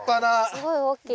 すごい大きい。